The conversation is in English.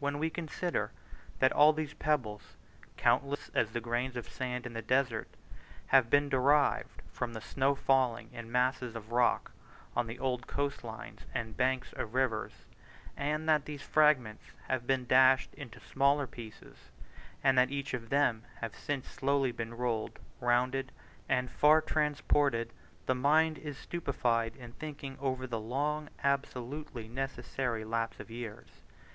When we consider that all these pebbles, countless as the grains of sand in the desert, have been derived from the slow falling of masses of rock on the old coast lines and banks of rivers, and that these fragments have been dashed into smaller pieces, and that each of them has since been slowly rolled, rounded, and far transported the mind is stupefied in thinking over the long, absolutely necessary, lapse of years.